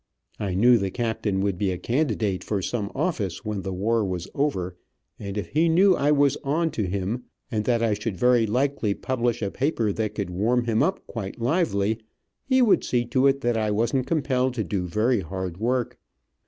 I knew the captain would be a candidate for some office when the war was over, and if he knew I was on to him, and that I should very likely publish a paper that could warm him up quite lively, he would see to it that I wasn't compelled to do very hard work.